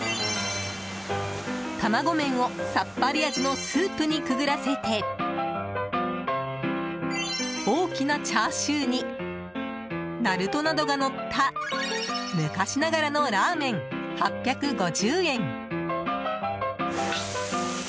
たまご麺をさっぱり味のスープにくぐらせて大きなチャーシューになるとなどがのった昔ながらのラーメン、８５０円。